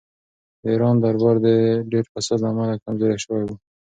د ایران دربار د ډېر فساد له امله کمزوری شوی و.